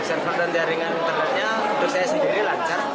server dan jaringan internetnya untuk saya sendiri lancar